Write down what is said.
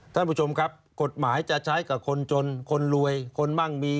ท่านผู้ชมครับกฎหมายจะใช้กับคนจนคนรวยคนมั่งมี